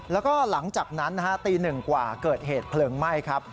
แล้วก็หลังจากนั้นตีหนึ่งกว่าเกิดเหตุเพลิงไหม้ครับ